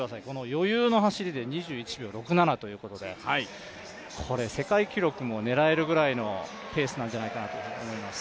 余裕の走りで２１秒６７ということで、これ世界記録も狙えるぐらいのペースじゃないかなと思います。